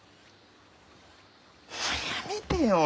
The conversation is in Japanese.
やめてよ！